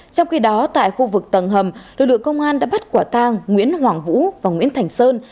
trong khi đó tại khu vực tầng hầm lực lượng công an đã bắt quả tang nguyễn hoàng vũ và nguyễn thành sơn